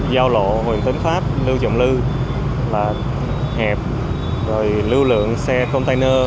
giao lộ huỳnh tấn pháp lưu trọng lưu là hẹp rồi lưu lượng xe container